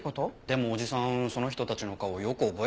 でもおじさんその人たちの顔よく覚えてないって。